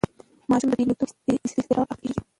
ماشومان د بېلېدو پر اضطراب اخته کېږي.